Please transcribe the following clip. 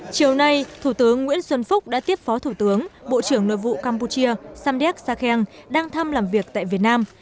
chiều nay thủ tướng nguyễn xuân phúc đã tiếp phó thủ tướng bộ trưởng nội vụ campuchia samdek sakeng đang thăm làm việc tại việt nam